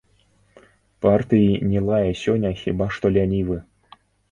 Партыі не лае сёння хіба што лянівы.